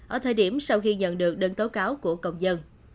ở thời điểm sau khi nhận được đơn tố cáo của công dân